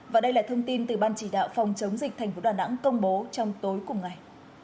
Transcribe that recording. và đây là thông tin từ ban chỉ đạo phòng chống dịch thành phố đà nẵng công bố trong tối cùng ngày